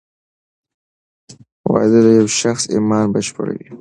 واده د یو شخص ایمان بشپړوې.